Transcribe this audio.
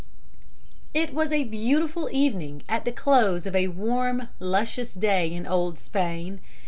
It was a beautiful evening at the close of a warm, luscious day in old Spain.